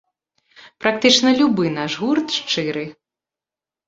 Практычна любы наш гурт шчыры.